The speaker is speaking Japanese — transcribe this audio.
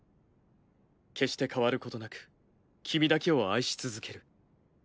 決して変わることなく君だけを愛し続ける。